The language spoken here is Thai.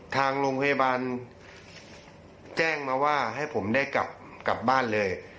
ทางโรงพยาบาลแจ้งมาว่าให้ผมได้กลับบ้านเลย